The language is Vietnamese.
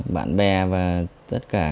bạn bè và tất cả